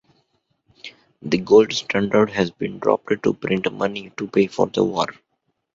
The Gold Standard had been dropped to print money to pay for the war.